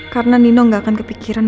karena nino gak akan kepikiran